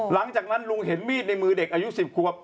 หลังจากนั้นลุงเห็นมีดในมือเด็กอายุ๑๐ควบ